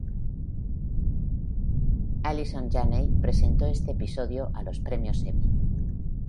Allison Janney presentó este episodio a los Premios Emmy.